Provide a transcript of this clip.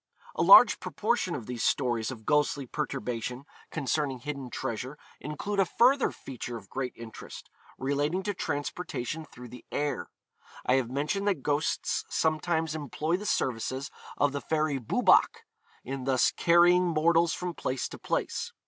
A large proportion of these stories of ghostly perturbation concerning hidden treasure include a further feature of great interest, relating to transportation through the air. I have mentioned that ghosts sometimes employ the services of the fairy Boobach in thus carrying mortals from place to place.